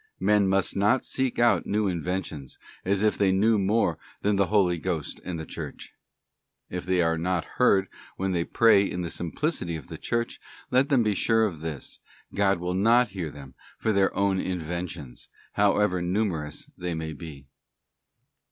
Men must not seek out new inventions, as if they knew more than the Holy Ghost and the Church. If they are not heard when they pray in the simplicity of the Church, let them be sure of this—God will not hear them for their own inventions, however numerous they may be.